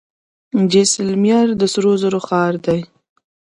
جیسلمیر د سرو زرو ښار دی.